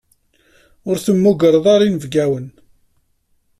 Ur temmugreḍ inebgawen.